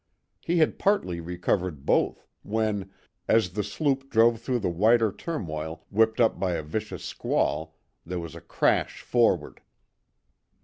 He had partly recovered both, when, as the sloop drove through the whiter turmoil whipped up by a vicious squall, there was a crash forward.